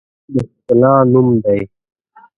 ژوند د ښکلا نوم دی